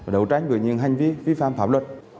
đấu tranh về những hành vi phi phạm pháp luật